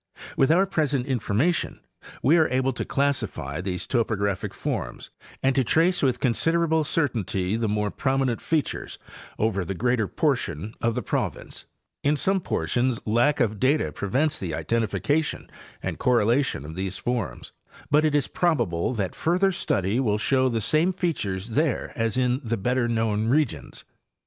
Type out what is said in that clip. With our present information we are able to | classify these topographic forms and to trace with considerable || 68 Hayes and Campbell— Appalachian Geomorpholog y. certainty the more prominent features over the greater portion of the province. In. some portions lack of data prevents the identification and correlation of these forms, but it is probable that further study will show the same features there as in the better known regions.